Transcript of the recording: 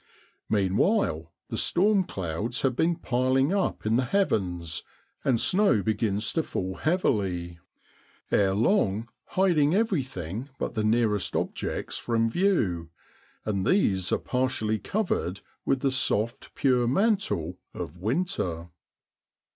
Meanwhile the storm clouds have been piling up in the heavens, and snow begins again to fall heavily, ere long hiding everything but the nearest objects BROADLAND ' POKERS.' JANUARY IN BROADLAND. 13 from view, and these are partially covered with the soft, pure mantle of winter.